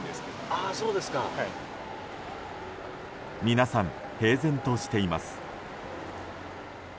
皆さん、平然としています。